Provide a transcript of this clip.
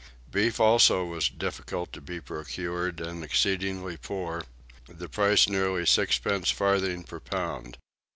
Beef also was difficult to be procured and exceedingly poor; the price nearly sixpence farthing per pound.